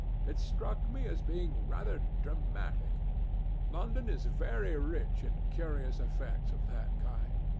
It struck me as being rather dramatic. London is very rich in curious effects of that kind.